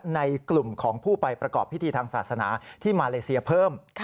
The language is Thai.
ในกลุ่มของผู้ไปประกอบพิธีทางศาสนาที่มาเลเซียเพิ่ม